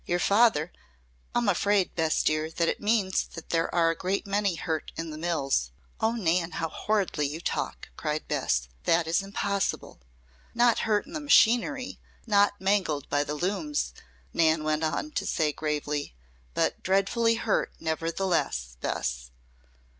Your father " "I'm afraid, Bess dear, that it means there are a great many hurt in the mills." "Oh, Nan! How horridly you talk," cried Bess. "That is impossible." "Not hurt in the machinery, not mangled by the looms," Nan went on to say, gravely. "But dreadfully hurt nevertheless, Bess.